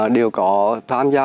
đều có tham gia